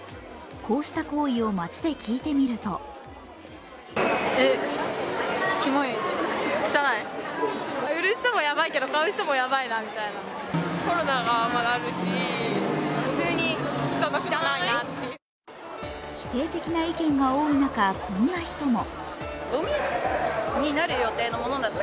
こうした行為を街で聞いてみると否定的な意見が多い中こんな人も。